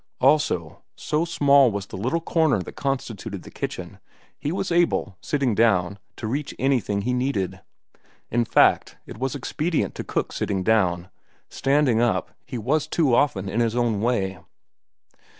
Also, so small was the little corner that constituted the kitchen, he was able, sitting down, to reach anything he needed. In fact, it was expedient to cook sitting down; standing up, he was too often in his own way.